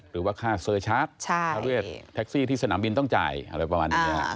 หรือว่าค่าเซอร์ชาร์ททักซีที่สนามบินต้องจ่ายอะไรประมาณนี้นะฮะ